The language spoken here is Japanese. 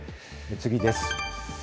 次です。